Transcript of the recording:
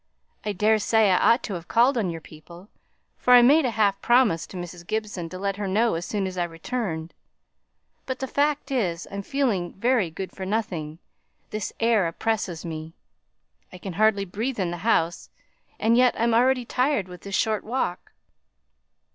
I daresay I ought to have called on your people, for I made a half promise to Mrs. Gibson to let her know as soon as I returned; but the fact is, I'm feeling very good for nothing, this air oppresses me; I could hardly breathe in the house, and yet I'm already tired with this short walk."